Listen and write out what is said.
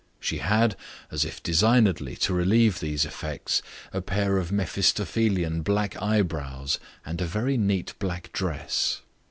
She had, as if designedly to relieve these effects, a pair of Mephistophelian black eyebrows and a very neat black dress.